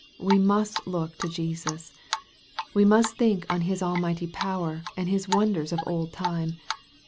We must look to Jesus. We must think on His al mighty power, and His wonders of old tune.